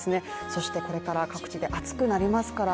そしてこれから各地で暑くなりますから、